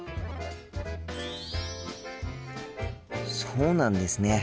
そうなんですね。